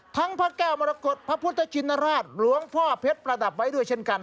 พระแก้วมรกฏพระพุทธชินราชหลวงพ่อเพชรประดับไว้ด้วยเช่นกัน